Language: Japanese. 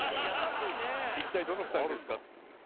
「一体どの２人ですか？っつってね」